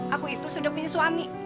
aku itu sudah punya suami